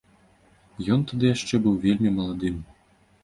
Ён тады яшчэ быў вельмі малады.